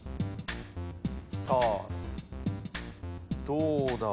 さあどうだ？